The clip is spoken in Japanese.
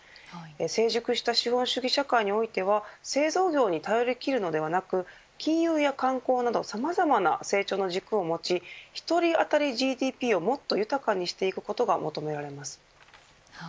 成熟した資本主義社会においては製造業に頼り切るのではなく金融や観光などさまざまな成長の軸を持ち１人当たりＧＤＰを、もっと豊かにしていくことが求められます。